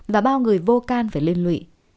và bao người vô can phải lên lụy